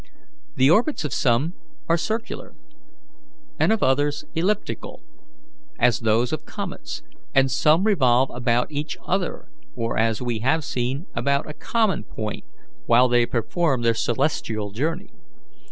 The orbits of some are circular, and of others elliptical, as those of comets, and some revolve about each other, or, as we have seen, about a common point while they perform their celestial journey.